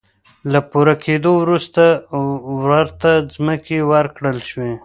له پوره کېدو وروسته ورته ځمکې ورکړل شوې.